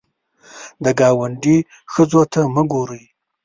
د ګاونډي ښځو ته مه ګورې